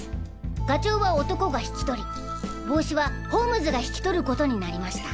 ガチョウは男が引き取り帽子はホームズが引き取ることになりました。